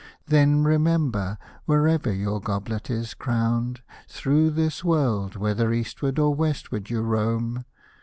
Then remember, wherever your goblet is crowned, Thro this world, whether eastward or westward you roam.